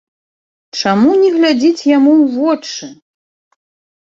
Чаму не глядзіць яму ў вочы?